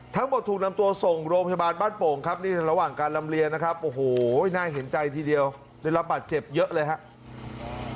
ถูกนำตัวส่งโรงพยาบาลบ้านโป่งครับนี่ระหว่างการลำเลียงนะครับโอ้โหน่าเห็นใจทีเดียวได้รับบาดเจ็บเยอะเลยครับ